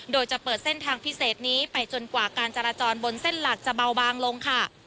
โดยจะเปิดเส้นทางพิเศษนี้ไปจนกว่าการจราจรบนเส้นหลักจะเบาบางลงค่ะ